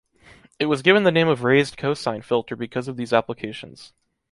It was given the name of raised-cosine filter because of these applications.